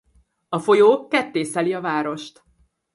A folyó kettészeli a várost.